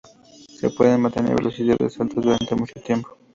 Se pueden mantener velocidades altas durante mucho tiempo.